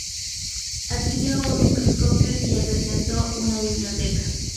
Adquirió un microscopio y acrecentó una biblioteca.